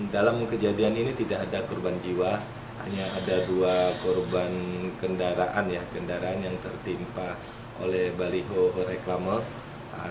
dalam kejadian ini tidak ada korban jiwa hanya ada dua korban kendaraan ya kendaraan yang tertimpa oleh baliho reklama